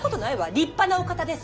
立派なお方です。